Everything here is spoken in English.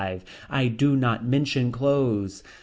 I do not mention clothes.